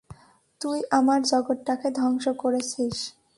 তুই আমার জগতটাকে ধ্বংস করেছিস।